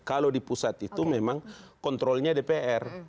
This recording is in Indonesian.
kalau di pusat itu memang kontrolnya dpr